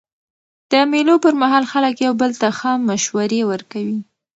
د مېلو پر مهال خلک یو بل ته ښه مشورې ورکوي.